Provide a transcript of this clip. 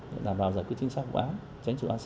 để đảm bảo giải quyết chính xác vụ án tránh sự oan sai